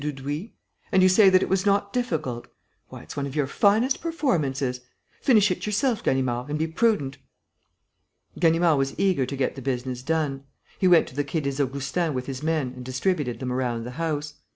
Dudouis. "And you say that it was not difficult! Why, it's one of your finest performances! Finish it yourself, Ganimard, and be prudent." Ganimard was eager to get the business done. He went to the Quai des Augustins with his men and distributed them around the house.